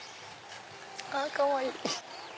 かわいい！